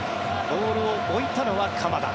ボールを置いたのは鎌田。